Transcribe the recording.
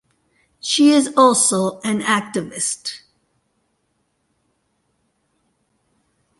She is also an activist.